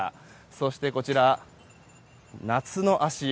そして、こちら夏の足湯。